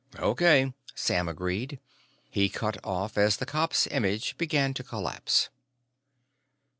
"O.K.," Sam agreed. He cut off as the cop's image began to collapse.